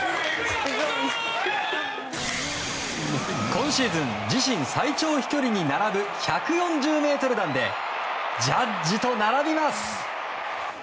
今シーズン自身最長飛距離に並ぶ１４０ｍ弾でジャッジと並びます。